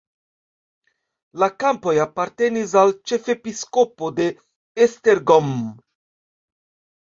La kampoj apartenis al ĉefepiskopo de Esztergom.